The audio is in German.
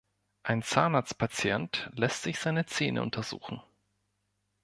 Ein Zahnarztpatient lässt sich seine Zähne untersuchen